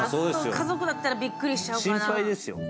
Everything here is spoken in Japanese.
家族だったらびっくりしちゃうかな。